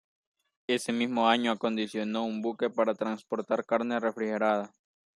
Ese mismo año acondicionó un buque para transportar carne refrigerada.